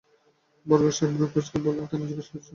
বরকত সাহেব ভ্রূ কুঁচকে বললেন, কেন জিজ্ঞেস করছেন?